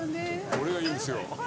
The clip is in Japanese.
これが良いんすよ。